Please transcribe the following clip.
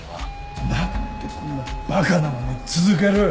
なんでこんな馬鹿なまねを続ける？